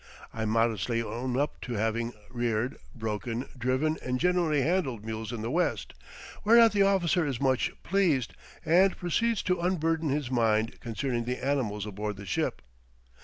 I modestly own up to having reared, broken, driven, and generally handled mules in the West, whereat the officer is much pleased, and proceeds to unburden his mind concerning the animals aboard the ship.